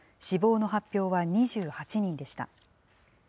死亡の発表は２８人でした。